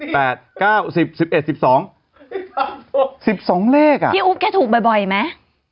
ประมาณ๑๒แลกอ่ะพี่อุ๊บแกถูกบ่อยมั้ย